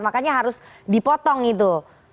makanya harus dipotong itu